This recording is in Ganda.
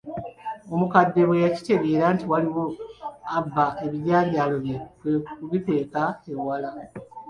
Omukadde bwe yakitegeera nti waliwo abba ebijanjaalo bye kwe kubikweka ewala.